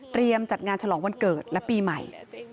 จัดงานฉลองวันเกิดและปีใหม่